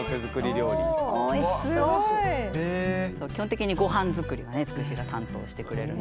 基本的にごはん作りはねつくしが担当してくれるので。